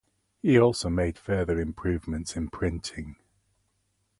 He also made further improvements in printing.